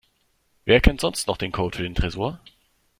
Wer kennt sonst noch den Code für den Tresor?